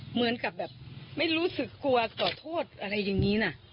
เหมือนกับแบบไม่รู้สึกกลัวขอโทษอะไรอย่างนี้นะ